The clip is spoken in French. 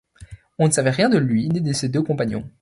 On ne savait rien de lui ni de ses deux compagnons.